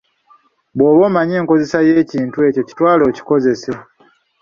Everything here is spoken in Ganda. "Bwoba omanyi enkozesa y'ekintu ekyo, kitwale okikozese."